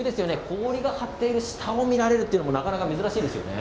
氷が張っている下を見られるというのもなかなか珍しいですよね。